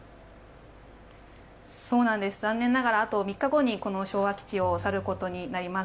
残念ながら、あと３日後に昭和基地を去ることになります。